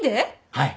はい！